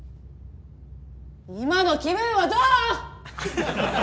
今の気分はどう！？